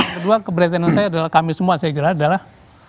kedua keberatan saya adalah kami semua saya kira adalah